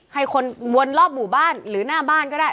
ให้คนวนรอบหมู่บ้านหรือหน้าบ้านก็ได้